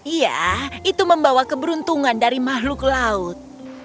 iya itu membawa keberuntungan dari makhluk laut